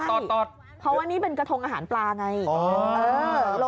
โอ้ยโตดเพราะว่านี่เป็นกระทงอาหารปลาไงโอ้ย